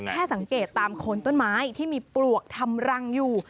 แค่สังเกตตามโคนต้นไม้ที่มีปลวกทำรังอยู่